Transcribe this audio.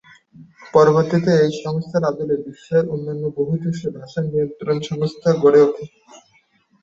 পরবর্তীতে এই সংস্থার আদলে বিশ্বের অন্যান্য বহু দেশে ভাষা নিয়ন্ত্রক সংস্থা গড়ে ওঠে।